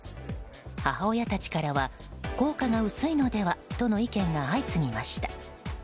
母親たちからは効果が薄いのではとの意見が相次ぎました。